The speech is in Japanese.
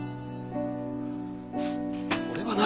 俺はな